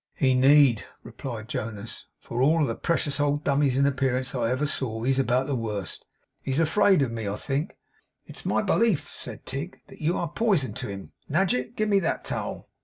'He need,' replied Jonas; 'for of all the precious old dummies in appearance that I ever saw, he's about the worst. He's afraid of me, I think.' 'It's my belief,' said Tigg, 'that you are Poison to him. Nadgett! give me that towel!